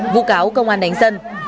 vụ cáo công an đánh dân